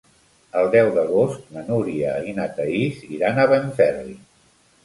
El deu d'agost na Núria i na Thaís iran a Benferri.